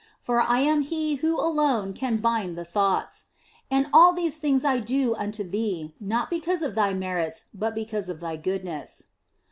For I am He who alone can bind the thoughts. And all these things do I unto thee, not because of thy merits, but of My goodness."